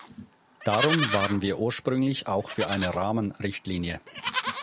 Darum waren wir ursprünglich auch für eine Rahmenrichtlinie.